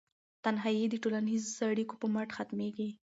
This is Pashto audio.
تنهایي د ټولنیزو اړیکو په مټ ختمیږي.